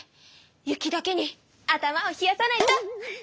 雪だけに頭を冷やさないと！